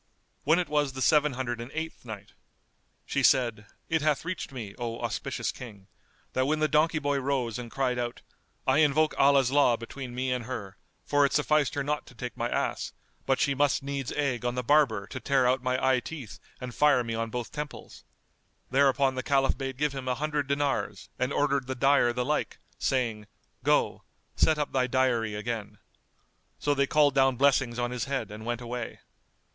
When it was the Seven Hundred and Eighth Night, She said, It hath reached me, O auspicious King, that when the donkey boy rose and cried out, "I invoke Allah's law between me and her; for it sufficed her not to take my ass, but she must needs egg on the barber to tear out my eye teeth and fire me on both temples;" thereupon the Caliph bade give him an hundred dinars and ordered the dyer the like, saying, "Go; set up thy dyery again." So they called down blessings on his head and went away.